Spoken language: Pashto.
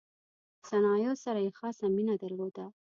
صنایعو سره یې خاصه مینه درلوده.